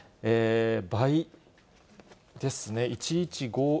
倍ですね。